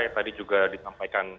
tadi juga ditampilkan